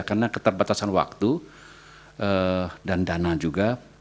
karena keterbatasan waktu dan dana juga